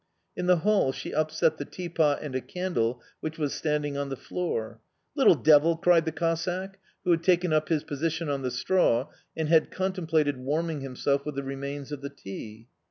In the hall she upset the teapot and a candle which was standing on the floor. "Little devil!" cried the Cossack, who had taken up his position on the straw and had contemplated warming himself with the remains of the tea.